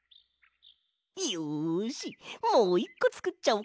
よしもう１こつくっちゃおうかな。